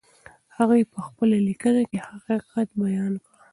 هغې په خپله لیکنه کې حقیقت بیان کړ.